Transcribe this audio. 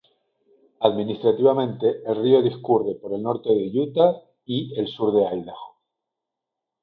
Administrativamente, el río discurre por el norte de Utah y el sur de Idaho.